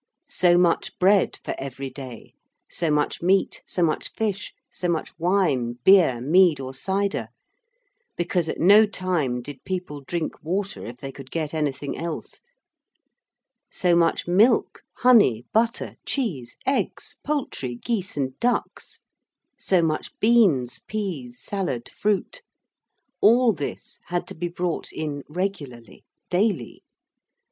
So much bread for every day, so much meat, so much fish, so much wine, beer, mead, or cider because at no time did people drink water if they could get anything else so much milk, honey, butter, cheese, eggs, poultry, geese and ducks, so much beans, pease, salad, fruit. All this had to be brought in regularly daily.